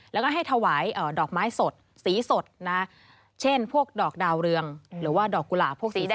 แล้วก็ให้ถวายดอกไม้สดสีสดนะเช่นพวกดอกดาวเรืองหรือว่าดอกกุหลาบพวกสีดำ